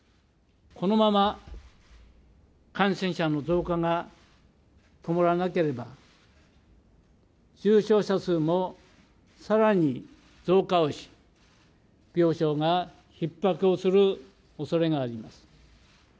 このまま感染者の増加が止まらなければ、重症者数もさらに増加をし、病床がひっ迫をするおそれがあります。